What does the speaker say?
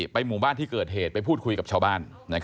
หมู่บ้านที่เกิดเหตุไปพูดคุยกับชาวบ้าน